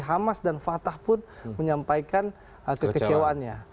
hamas dan fatah pun menyampaikan kekecewaannya